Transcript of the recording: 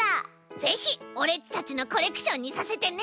ぜひオレっちたちのコレクションにさせてね。